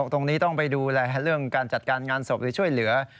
ตรงนี้ต้องไปดูแลเรื่องการจัดการงานศพหรือช่วยเหลือ